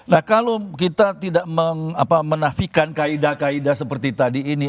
nah kalau kita tidak menafikan kaedah kaedah seperti tadi ini